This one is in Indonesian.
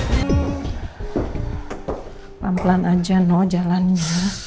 pelan pelan aja noh jalannya